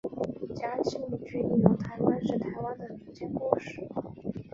嘉庆君游台湾是台湾的民间故事。